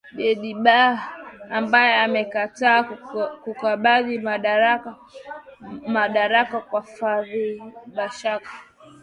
Dbeibah ambaye amekataa kukabidhi madaraka kwa Fathi Bashagha